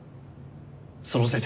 そのせいで。